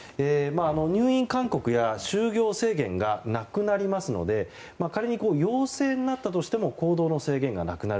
入院勧告や就業制限がなくなりますので仮に陽性になったとしても行動制限がなくなる。